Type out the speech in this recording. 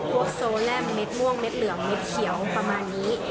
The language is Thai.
โซแลมเม็ดม่วงเด็ดเหลืองเม็ดเขียวประมาณนี้